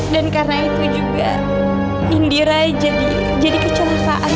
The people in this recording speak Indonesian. dan karena itu juga indira jadi kecelakaan